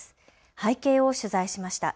背景を取材しました。